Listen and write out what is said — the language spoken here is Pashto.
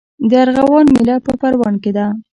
د ارغوان میله په پروان کې ده.